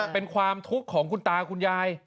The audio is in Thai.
เป็นความทุกข์ของคุณตาคุณยาย